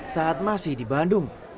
saat masih di bandung